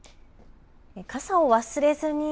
傘を忘れずに。